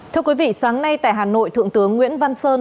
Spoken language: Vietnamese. thưa quý vị sáng nay tại hà nội thượng tướng nguyễn văn sơn